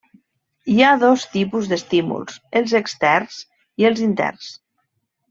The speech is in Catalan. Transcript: Hi ha dos tipus d'estímuls: els externs i els interns.